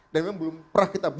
dan memang belum pernah kita buka